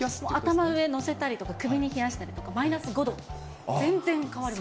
頭の上に乗せたりとか、首に冷やしたりとか、マイナス５度、全然変わります。